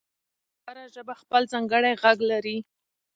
هره ژبه خپل ځانګړی غږ لري.